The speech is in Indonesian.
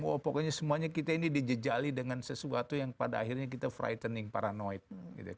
wah pokoknya semuanya kita ini dijajali dengan sesuatu yang pada akhirnya kita frightening paranoid gitu kan